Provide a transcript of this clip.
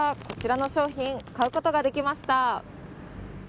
こちらの商品買うことができました。